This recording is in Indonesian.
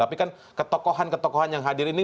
tapi kan ketokohan ketokohan yang hadir ini